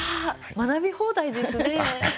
学び放題ですね。